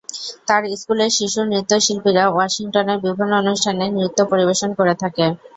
তাঁর স্কুলের শিশু নৃত্যশিল্পীরা ওয়াশিংটনের বিভিন্ন অনুষ্ঠানে নৃত্য পরিবেশন করে থাকে।